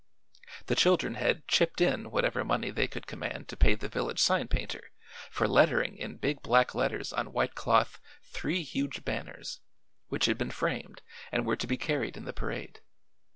The children had "chipped in" whatever money they could command to pay the village sign painter for lettering in big black letters on white cloth three huge banners, which had been framed and were to be carried in the parade.